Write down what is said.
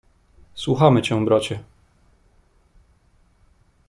"Słuchamy cię, bracie."